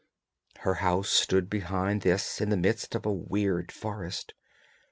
Her house stood behind this in the midst of a weird forest.